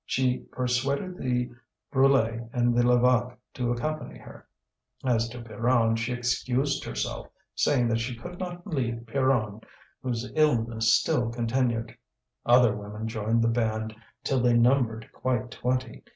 She persuaded the Brulé and the Levaque to accompany her; as to Pierronne, she excused herself, saying that she could not leave Pierron, whose illness still continued. Other women joined the band till they numbered quite twenty.